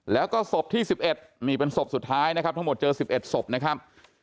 แล้วก็ศพที่๑๑นี่เป็นศพสุดท้ายนะครับทั้งหมดเจอ๑๑ศพนะครับ